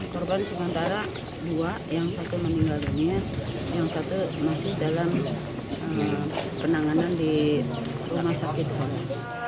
korban sementara dua yang satu meninggal dunia yang satu masih dalam penanganan di rumah sakit sana